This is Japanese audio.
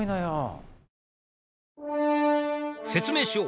説明しよう。